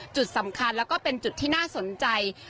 จุดสำคัญแล้วก็เป็นจุดที่น่าสนใจ